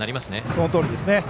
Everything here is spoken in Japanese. そのとおりですね。